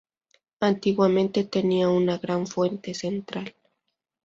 Antiguamente tenía una gran fuente central.